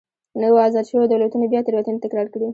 نویو ازاد شویو دولتونو بیا تېروتنې تکرار کړې.